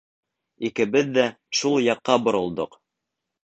Икебеҙ ҙә шул яҡҡа боролдоҡ.